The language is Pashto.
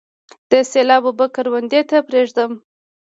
د سیلاب اوبه کروندې ته پریږدم؟